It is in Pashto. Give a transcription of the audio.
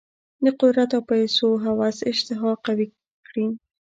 د قدرت او پیسو هوس اشتها قوي کړې.